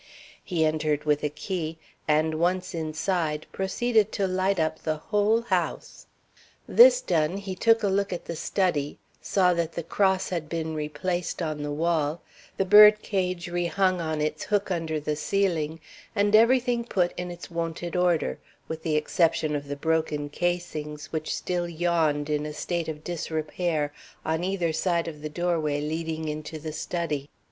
He entered with a key, and once inside, proceeded to light up the whole house. This done, he took a look at the study, saw that the cross had been replaced on the wall, the bird cage rehung on its hook under the ceiling, and everything put in its wonted order, with the exception of the broken casings, which still yawned in a state of disrepair on either side of the doorway leading into the study.